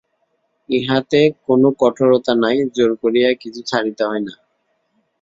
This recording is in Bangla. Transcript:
ইহাতে কোন কঠোরতা নাই, জোর করিয়া কিছু ছাড়িতে হয় না।